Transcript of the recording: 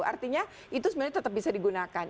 artinya itu sebenarnya tetap bisa digunakan